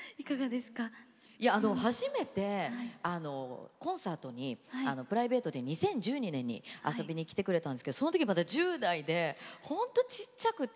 初めてコンサートにプライベートで２０１２年に遊びに来てくれたんですけどそのときまだ、１０代で本当、ちっちゃくて。